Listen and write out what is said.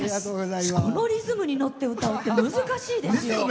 このリズムに乗って歌うって難しいですよ。